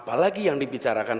apalagi yang dibicarakan